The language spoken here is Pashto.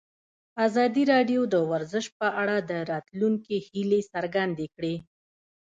ازادي راډیو د ورزش په اړه د راتلونکي هیلې څرګندې کړې.